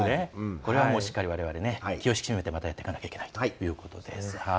これはしっかりわれわれ気を引き締めてやっていかなければならないということです。